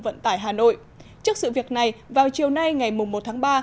vận tải hà nội trước sự việc này vào chiều nay ngày một tháng ba